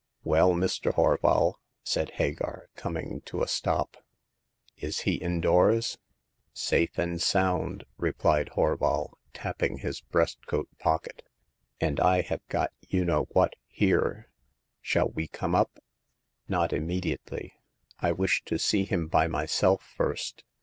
Well, Mr. Horval/' said Hagar, coming to a stop, " is he indoors ?"" Safe and sound !" replied Horval, tapping his breastcoat pocket—" and I have got you know what here. Shall we come up ?'*" Not immediately. I wish to see him by my self first.